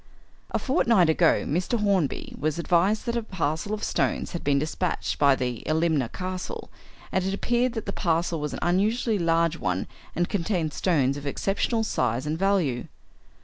"A fortnight ago Mr. Hornby was advised that a parcel of stones had been despatched by the Elmina Castle, and it appeared that the parcel was an unusually large one and contained stones of exceptional size and value.